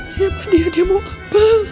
siapa dia mau apa